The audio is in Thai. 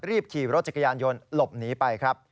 รีบขี่รถจักรยานยนต์หลบหนีไปครับ